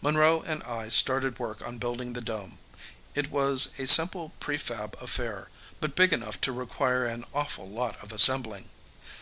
Monroe and I started work on building the dome. It was a simple pre fab affair, but big enough to require an awful lot of assembling.